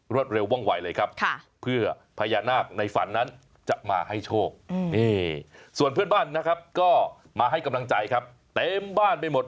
เร็วว่องไหวเลยครับเพื่อพญานาคในฝันนั้นจะมาให้โชคส่วนเพื่อนบ้านนะครับก็มาให้กำลังใจครับเต็มบ้านไปหมด